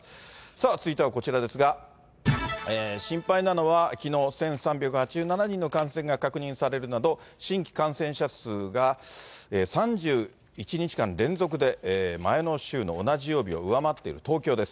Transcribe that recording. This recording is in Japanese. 続いてはこちらですが、心配なのは、きのう１３８７人の感染が確認されるなど、新規感染者数が３１日間連続で、前の週の同じ曜日を上回っている東京です。